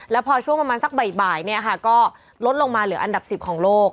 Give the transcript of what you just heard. แล้วพอช่วงประมาณสักบ่ายก็ลดลงมาเหลืออันดับ๑๐ของโลก